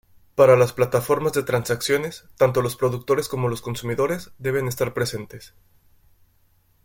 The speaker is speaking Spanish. Para las plataformas de transacciones, tanto los productores como los consumidores, deben estar presentes.